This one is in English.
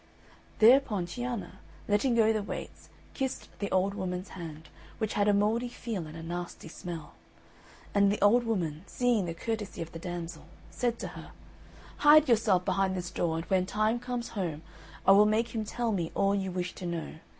Thereupon Cianna, letting go the weights, kissed the old woman's hand, which had a mouldy feel and a nasty smell. And the old woman, seeing the courtesy of the damsel, said to her, "Hide yourself behind this door, and when Time comes home I will make him tell me all you wish to know.